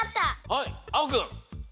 はいあおくん。